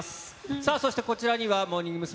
さあ、そしてこちらにはモーニング娘。